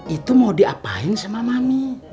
itu mau diapain sama mami